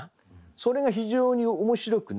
それが非常に面白くね。